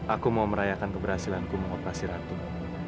aku mau merayakan keberhasilanku mengoperasi ratu